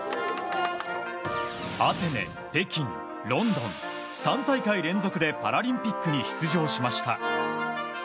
アテネ、北京、ロンドン３大会連続でパラリンピックに出場しました。